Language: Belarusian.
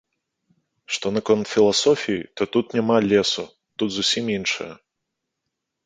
Што наконт філасофіі, то тут няма лесу, тут зусім іншае.